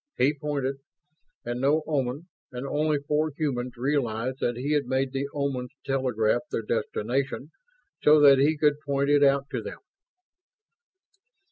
He pointed, and no Oman, and only four humans, realized that he had made the Omans telegraph their destination so that he could point it out to them!